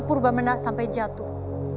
purba menak sampai jatuh